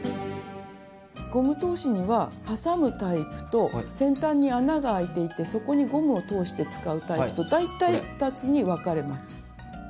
ゴム通しにははさむタイプと先端に穴があいていてそこにゴムを通して使うタイプと大体２つに分かれます。